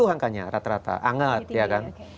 tujuh puluh angkanya rata rata anget ya kan